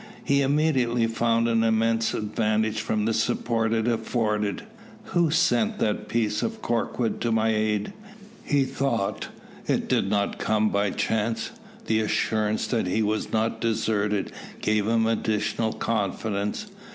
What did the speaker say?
He immediately found an immense advantage from the support it afforded. "Who sent that piece of cork wood to my aid?" he thought; "it did not come by chance." The assurance that he was not deserted gave him additional confidence.